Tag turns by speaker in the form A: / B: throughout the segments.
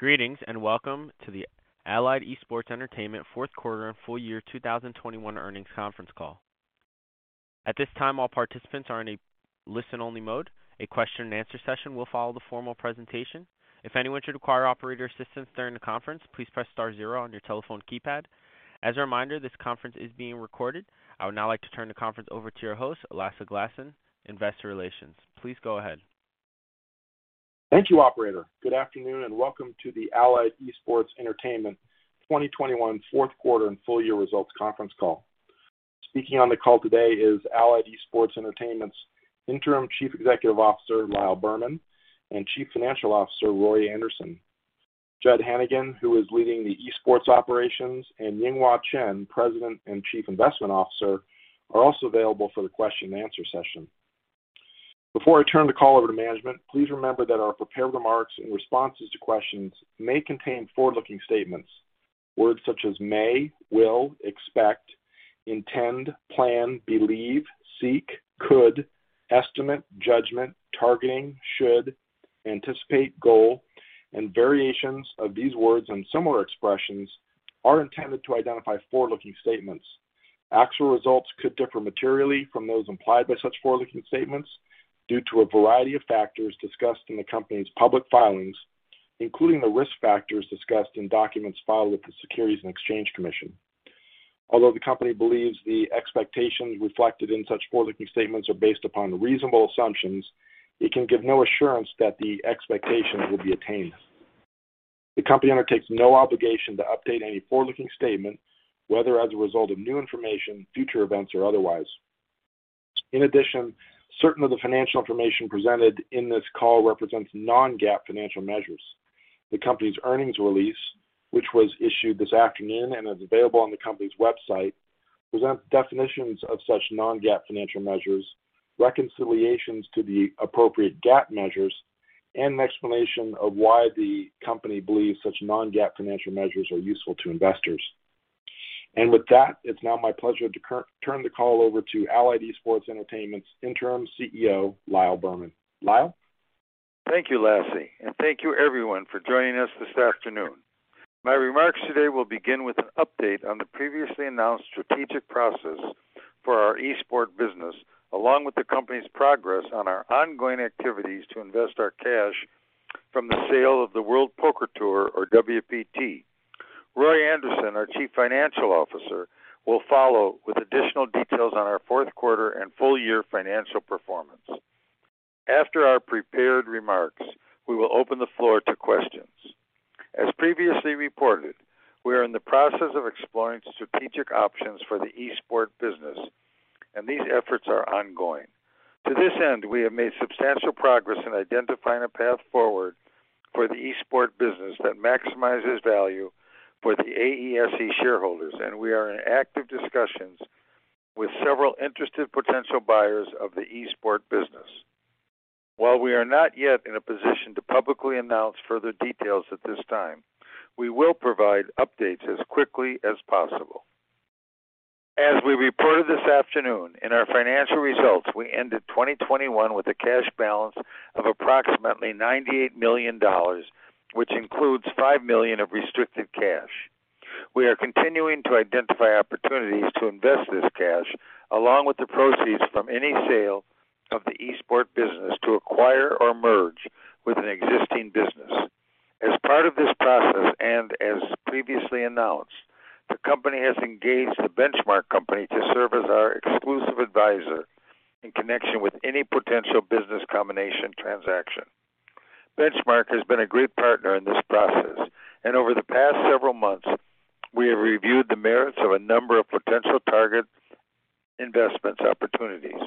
A: Greetings, welcome to the Allied Esports Entertainment fourth quarter and full year 2021 earnings conference call. At this time, all participants are in a listen-only mode. A question-and-answer session will follow the formal presentation. If anyone should require operator assistance during the conference, please press star zero on your telephone keypad. As a reminder, this conference is being recorded. I would now like to turn the conference over to your host, Lasse Glassen, Investor Relations. Please go ahead.
B: Thank you, operator. Good afternoon, and welcome to the Allied Esports Entertainment 2021 fourth quarter and full year results conference call. Speaking on the call today is Allied Esports Entertainment's Interim Chief Executive Officer, Lyle Berman, and Chief Financial Officer, Roy Anderson. Jud Hannigan, who is leading the Esports operations, and Yinghua Chen, President and Chief Investment Officer, are also available for the question-and-answer session. Before I turn the call over to management, please remember that our prepared remarks and responses to questions may contain forward-looking statements. Words such as may, will, expect, intend, plan, believe, seek, could, estimate, judgment, targeting, should, anticipate, goal, and variations of these words and similar expressions are intended to identify forward-looking statements. Actual results could differ materially from those implied by such forward-looking statements due to a variety of factors discussed in the company's public filings, including the risk factors discussed in documents filed with the Securities and Exchange Commission. Although the company believes the expectations reflected in such forward-looking statements are based upon reasonable assumptions, it can give no assurance that the expectations will be attained. The company undertakes no obligation to update any forward-looking statement, whether as a result of new information, future events, or otherwise. In addition, certain of the financial information presented in this call represents non-GAAP financial measures. The company's earnings release, which was issued this afternoon and is available on the company's website, presents definitions of such non-GAAP financial measures, reconciliations to the appropriate GAAP measures, and an explanation of why the company believes such non-GAAP financial measures are useful to investors. With that, it's now my pleasure to turn the call over to Allied Esports Entertainment's Interim CEO, Lyle Berman. Lyle?
C: Thank you, Lasse, and thank you, everyone, for joining us this afternoon. My remarks today will begin with an update on the previously announced strategic process for our Esports business, along with the company's progress on our ongoing activities to invest our cash from the sale of the World Poker Tour, or WPT. Roy Anderson, our Chief Financial Officer, will follow with additional details on our fourth quarter and full year financial performance. After our prepared remarks, we will open the floor to questions. As previously reported, we are in the process of exploring strategic options for the Esports business, and these efforts are ongoing. To this end, we have made substantial progress in identifying a path forward for the Esports business that maximizes value for the AESE shareholders, and we are in active discussions with several interested potential buyers of the Esports business. While we are not yet in a position to publicly announce further details at this time, we will provide updates as quickly as possible. As we reported this afternoon in our financial results, we ended 2021 with a cash balance of approximately $98 million, which includes $5 million of restricted cash. We are continuing to identify opportunities to invest this cash, along with the proceeds from any sale of the Esports business, to acquire or merge with an existing business. As part of this process, and as previously announced, the company has engaged The Benchmark Company to serve as our exclusive advisor in connection with any potential business combination transaction. The Benchmark Company has been a great partner in this process, and over the past several months, we have reviewed the merits of a number of potential target investment opportunities.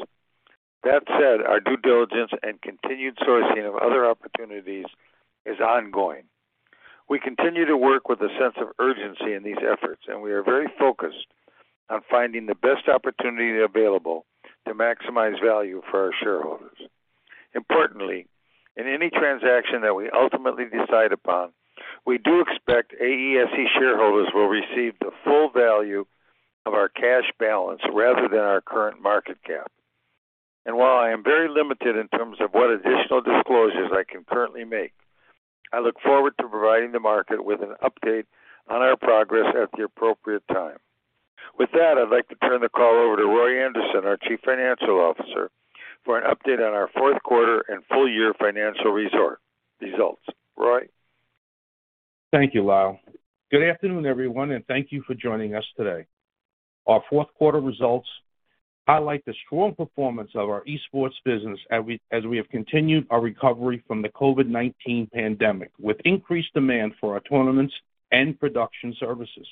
C: That said, our due diligence and continued sourcing of other opportunities is ongoing. We continue to work with a sense of urgency in these efforts, and we are very focused on finding the best opportunity available to maximize value for our shareholders. Importantly, in any transaction that we ultimately decide upon, we do expect AESE shareholders will receive the full value of our cash balance rather than our current market cap. While I am very limited in terms of what additional disclosures I can currently make, I look forward to providing the market with an update on our progress at the appropriate time. With that, I'd like to turn the call over to Roy Anderson, our Chief Financial Officer, for an update on our fourth quarter and full year financial results. Roy?
D: Thank you, Lyle. Good afternoon, everyone, and thank you for joining us today. Our fourth quarter results highlight the strong performance of our Esports business as we have continued our recovery from the COVID-19 pandemic, with increased demand for our tournaments and production services.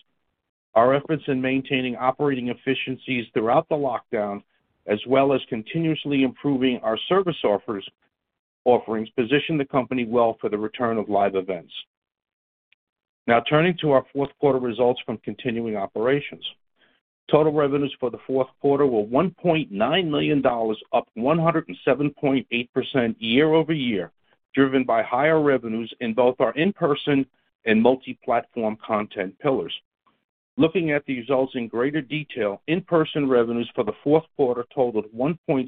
D: Our efforts in maintaining operating efficiencies throughout the lockdown, as well as continuously improving our service offerings, position the company well for the return of live events. Now, turning to our fourth quarter results from continuing operations. Total revenues for the fourth quarter were $1.9 million, up 107.8% year-over-year, driven by higher revenues in both our in-person and multi-platform content pillars. Looking at the results in greater detail, in-person revenues for the fourth quarter totaled $1.6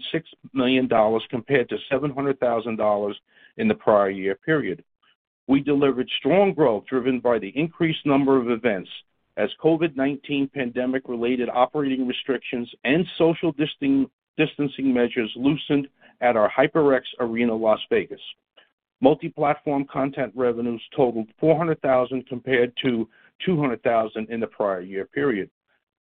D: million compared to $700,000 in the prior year period. We delivered strong growth driven by the increased number of events as COVID-19 pandemic related operating restrictions and social distancing measures loosened at our HyperX Arena, Las Vegas. Multi-platform content revenues totaled $400,000 compared to $200,000 in the prior year period.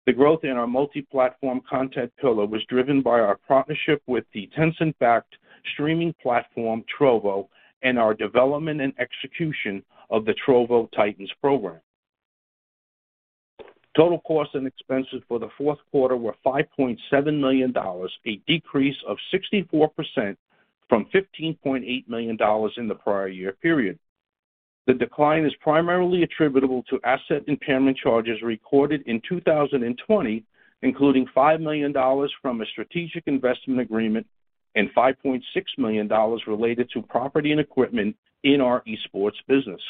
D: The growth in our multi-platform content pillar was driven by our partnership with the Tencent-backed streaming platform, Trovo, and our development and execution of the Trovo Titans program. Total costs and expenses for the fourth quarter were $5.7 million, a decrease of 64% from $15.8 million in the prior year period. The decline is primarily attributable to asset impairment charges recorded in 2020, including $5 million from a strategic investment agreement and $5.6 million related to property and equipment in our esports business.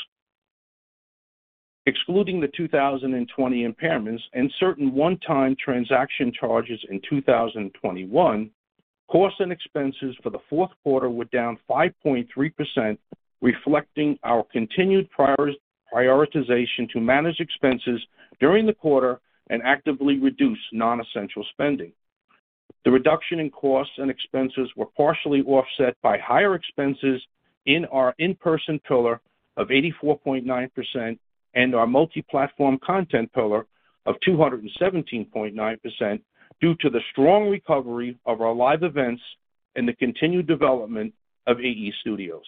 D: Excluding the 2020 impairments and certain one-time transaction charges in 2021, costs and expenses for the fourth quarter were down 5.3%, reflecting our continued prioritization to manage expenses during the quarter and actively reduce non-essential spending. The reduction in costs and expenses were partially offset by higher expenses in our in-person pillar of 84.9% and our multi-platform content pillar of 217.9% due to the strong recovery of our live events and the continued development of AE Studios.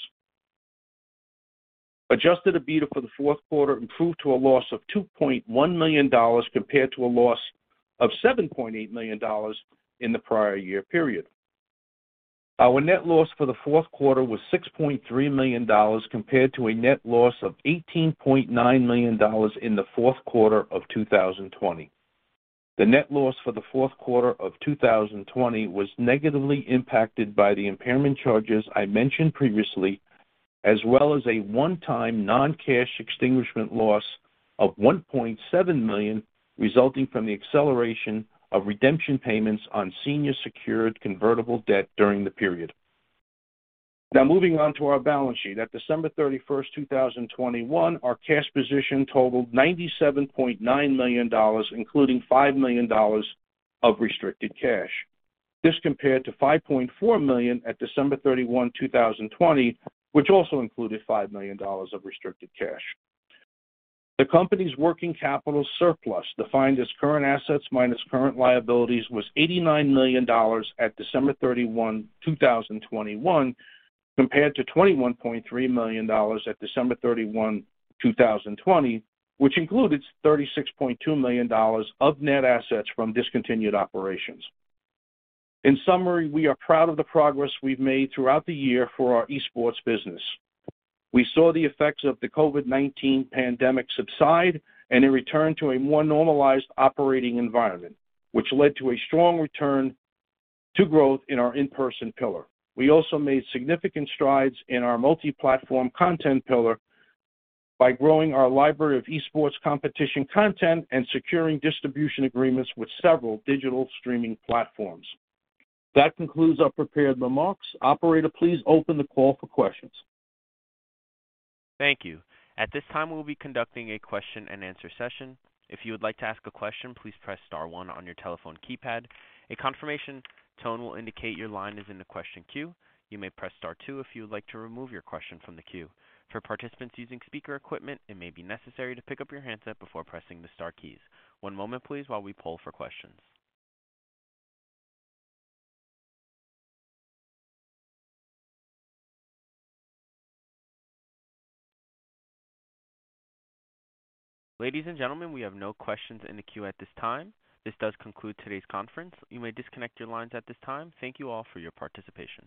D: Adjusted EBITDA for the fourth quarter improved to a loss of $2.1 million compared to a loss of $7.8 million in the prior year period. Our net loss for the fourth quarter was $6.3 million compared to a net loss of $18.9 million in the fourth quarter of 2020. The net loss for the fourth quarter of 2020 was negatively impacted by the impairment charges I mentioned previously, as well as a one-time non-cash extinguishment loss of $1.7 million, resulting from the acceleration of redemption payments on senior secured convertible debt during the period. Now moving on to our balance sheet. At December 31, 2021 our cash position totaled $97.9 million, including $5 million of restricted cash. This compared to $5.4 million at December 31, 2020 which also included $5 million of restricted cash. The company's working capital surplus, defined as current assets minus current liabilities, was $89 million at December 31, 2021 compared to $21.3 million at December 31, 2020 which included $36.2 million of net assets from discontinued operations. In summary, we are proud of the progress we've made throughout the year for our esports business. We saw the effects of the COVID-19 pandemic subside and a return to a more normalized operating environment, which led to a strong return to growth in our in-person pillar. We also made significant strides in our multi-platform content pillar by growing our library of esports competition content and securing distribution agreements with several digital streaming platforms. That concludes our prepared remarks. Operator, please open the call for questions.
E: Thank you. At this time, we will be conducting a question and answer session. If you would like to ask a question, please press star one on your telephone keypad. A confirmation tone will indicate your line is in the question queue. You may press star two if you would like to remove your question from the queue. For participants using speaker equipment, it may be necessary to pick up your handset before pressing the star keys. One moment please while we poll for questions. Ladies and gentlemen, we have no questions in the queue at this time. This does conclude today's conference. You may disconnect your lines at this time. Thank you all for your participation.